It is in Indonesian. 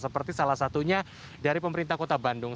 seperti salah satunya dari pemerintah kota bandung